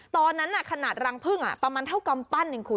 ตอนนั้นขนาดรังพึ่งประมาณเท่ากำปั้นอย่างคุณ